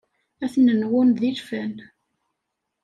Ad ten-nwun d ilfan.